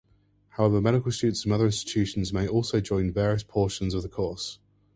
However, medical students from other institutions may also join various portions of the course.